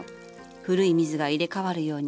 古い水が入れ代わるように。